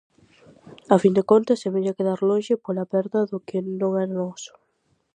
A fin de contas, semella quedar lonxe pola perda do que non era noso.